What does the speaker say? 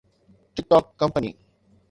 tick talk company